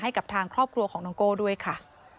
ให้กับทางครอบครัวของน้องโก้ด้วยค่ะ